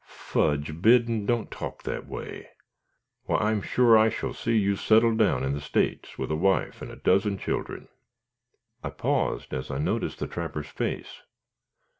"Fudge, Biddon, don't talk that way. Why I am sure I shall see you settled down in the States with a wife and a dozen children " I paused as I noticed the trapper's face.